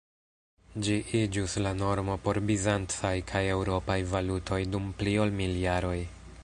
Ĝi iĝus la normo por bizancaj kaj eŭropaj valutoj dum pli ol mil jaroj.